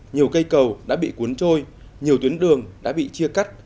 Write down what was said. nhiều cây cầu đã bị cuốn trôi nhiều tuyến đường đã bị chia cắt